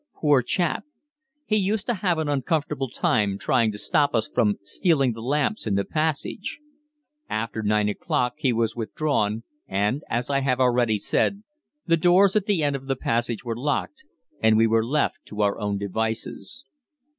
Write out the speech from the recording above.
Poor chap! He used to have an uncomfortable time trying to stop us from stealing the lamps in the passage. After 9 o'clock he was withdrawn, and, as I have already said, the doors at the end of the passage were locked and we were left to our own devices.